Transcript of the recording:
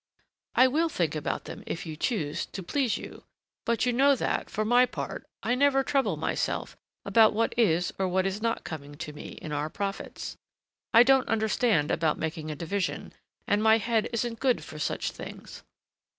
"I will think about them, if you choose, to please you; but you know that, for my part, I never trouble myself about what is or is not coming to me in our profits. I don't understand about making a division, and my head isn't good for such things.